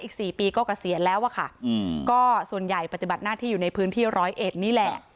อีก๔ปีก็เกษียณแล้วอะค่ะก็ส่วนใหญ่ปฏิบัติหน้าที่อยู่ในพื้นที่ร้อยเอ็ดนี่แหละ